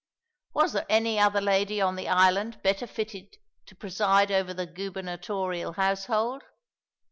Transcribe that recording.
Was there any other lady on the island better fitted to preside over the gubernatorial household?